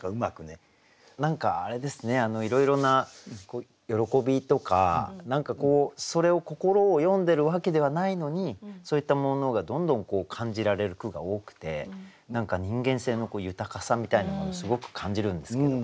何かあれですねいろいろな喜びとか何かそれを心を詠んでるわけではないのにそういったものがどんどん感じられる句が多くて何か人間性の豊かさみたいなものをすごく感じるんですけど。